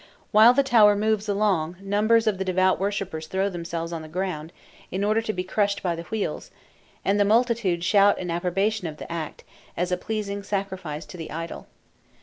While the tower moves along numbers of the devout worshippers throw themselves on the ground, in order to be crushed by the wheels, and the multitude shout in approbation of the act, as a pleasing sacrifice to the idol.